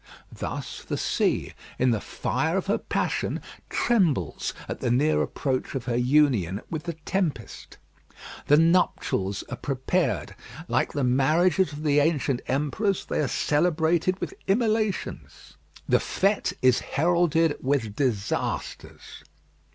Thus the sea, in the fire of her passion, trembles at the near approach of her union with the tempest. The nuptials are prepared. Like the marriages of the ancient emperors, they are celebrated with immolations. The fête is heralded with disasters.